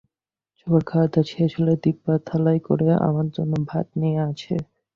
সবার খাওয়াদাওয়া শেষ হলে দিপা থালায় করে আমার জন্য ভাত নিয়ে আসে।